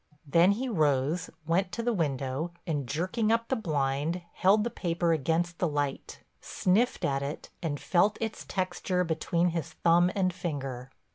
Then he rose, went to the window and, jerking up the blind, held the paper against the light, sniffed at it, and felt its texture between his thumb and finger.